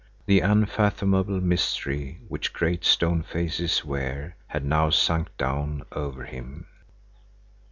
The unfathomable mystery which great stone faces wear had now sunk down over him.